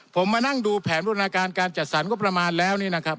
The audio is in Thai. ผมมานั่งดูแผนบูรณาการการจัดสรรงบประมาณแล้ว